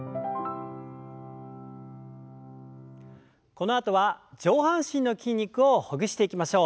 このあとは上半身の筋肉をほぐしていきましょう。